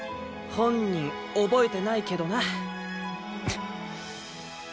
本人覚えてないけどな。